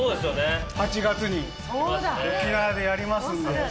８月に沖縄でやりますんで。